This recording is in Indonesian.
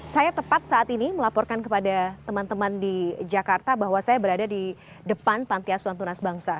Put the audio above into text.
saya tepat saat ini melaporkan kepada teman teman di jakarta bahwa saya berada di depan panti asuhan tunas bangsa